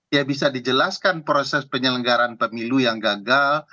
ya bisa dijelaskan proses penyelenggaran pemilu yang gagal